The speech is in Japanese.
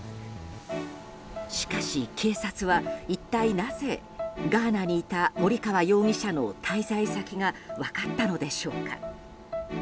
しかし、警察は一体なぜガーナにいた森川容疑者の滞在先が分かったのでしょうか。